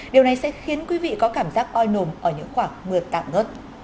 điều này sẽ khiến quý vị có cảm giác oi nồm ở những khoảng mưa tạm ngớt